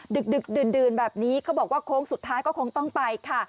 ดึกดื่นแบบนี้เขาบอกว่าโค้งสุดท้ายก็คงต้องไปค่ะ